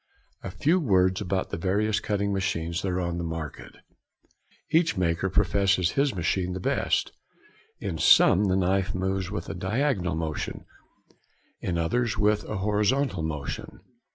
] A few words about the various cutting machines that are in the market. Each maker professes his machine the best. In some the knife moves with a diagonal motion, in others with a horizontal motion.